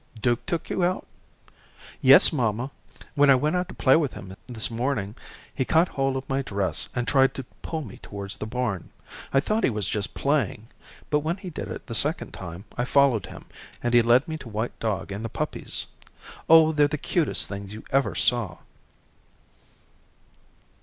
"Duke took you out?" "Yes, mamma. When I went out to play with him this morning he caught hold of my dress and tried to pull me towards the barn. I thought he was just playing; but when he did it the second time, I followed him, and he led me to white dog and the puppies. Oh, they're the cutest things you ever saw." [Illustration: "The cutest things you ever saw."